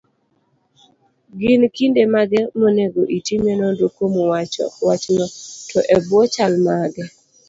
Gin kinde mage monego itimie nonro kuom wachno, to e bwo chal mage?